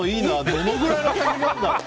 どのくらいの滝なんだろう。